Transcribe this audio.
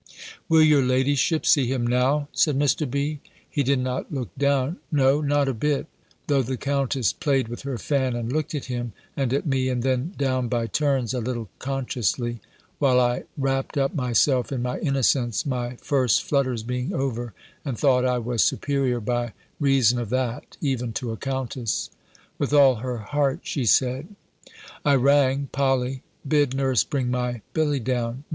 "Will your ladyship see him now?" said Mr. B. He did not look down; no, not one bit! though the Countess played with her fan, and looked at him, and at me, and then down by turns, a little consciously: while I wrapped up myself in my innocence, my first flutters being over, and thought I was superior, by reason of that, even to a Countess. With all her heart, she said. I rang. "Polly, bid nurse bring my Billy down."